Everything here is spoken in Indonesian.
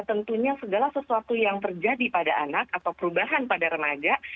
tentunya segala sesuatu yang terjadi pada anak atau perubahan pada remaja